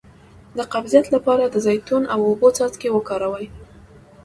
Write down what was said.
د قبضیت لپاره د زیتون او اوبو څاڅکي وکاروئ